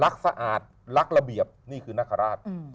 สะอาดรักระเบียบนี่คือนคราช